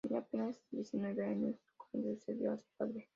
Tenía apenas diecinueve años cuando sucedió a su padre.